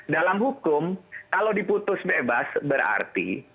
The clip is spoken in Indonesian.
dalam hukum kalau diputus bebas berarti